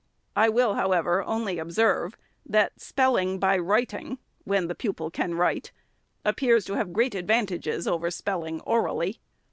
I will, however, only observe, that spelling, by writing (when the pupil can write), appears to have great advantages over spell ing orally.